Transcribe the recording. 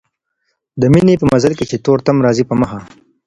د ميني په مزل کي چي تور تم راځي په مخه